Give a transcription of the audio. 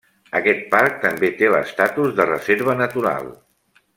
Aquest parc també té l'estatus de reserva natural.